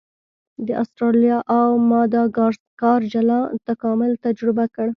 استرالیا او ماداګاسکار جلا تکامل تجربه کړ.